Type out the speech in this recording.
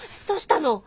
どうしたの？